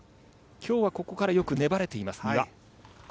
きょうはここからよく粘れています、丹羽。